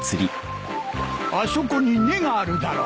あそこに根があるだろう？